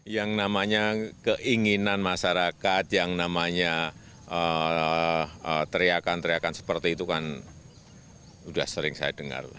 yang namanya keinginan masyarakat yang namanya teriakan teriakan seperti itu kan sudah sering saya dengar